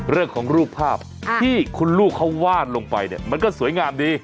รูปภาพที่คุณลูกเขาวาดลงไปเนี่ยมันก็สวยงามดี